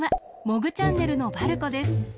モグチャンネルのばるこです。